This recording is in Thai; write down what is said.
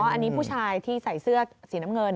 อันนี้ผู้ชายที่ใส่เสื้อสีน้ำเงิน